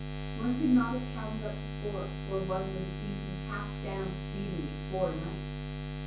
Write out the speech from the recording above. One could not have counted up to four before one would have seen him cast down speedily four knights.